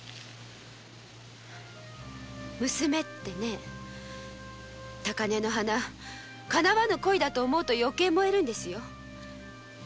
娘ってね高根の花かなわぬ恋だと思うと余計燃えるのよ。